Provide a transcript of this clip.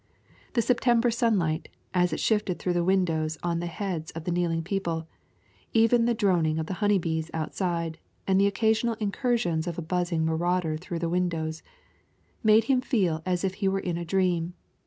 The September sunlight, as it sifted through the windows on the heads of the kneeling people even the droning of the honey bees outside, and the occasional incursion of a buzzing marauder through the windows made him feel as if he were in a dream.